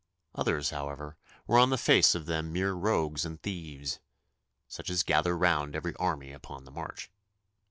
Others, however, were on the face of them mere rogues and thieves, such as gather round every army upon the march.